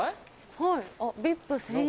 はい。